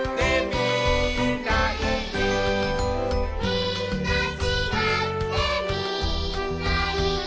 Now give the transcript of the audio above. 「みんなちがってみんないい」